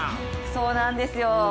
そうなんですよ